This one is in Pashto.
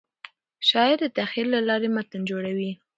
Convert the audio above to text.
شاعر د تخیل له لارې متن جوړوي.